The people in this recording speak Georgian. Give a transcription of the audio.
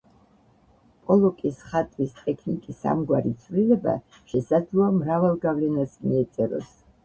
პოლოკის ხატვის ტექნიკის ამგვარი ცვლილება შესაძლოა მრავალ გავლენას მიეწეროს.